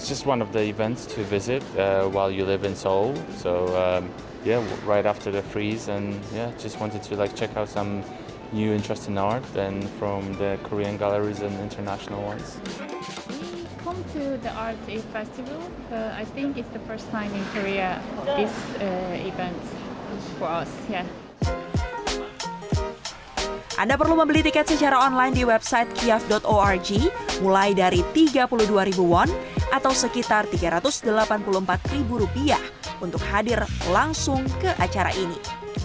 anda perlu membeli tiket secara online di website kiaf org mulai dari tiga puluh dua ribu won atau sekitar tiga ratus delapan puluh empat ribu rupiah untuk hadir langsung ke acara ini